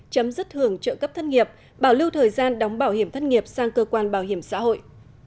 chấm dứt hưởng trợ cấp thất nghiệp bảo lưu thời gian đóng bảo hiểm thất nghiệp sang cơ quan bảo hiểm xã hội